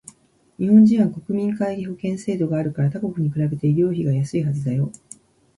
日本人は国民皆保険制度があるから他国に比べて医療費がやすいはずだよ